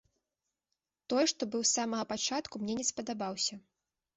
Той, што быў з самага пачатку, мне не спадабаўся.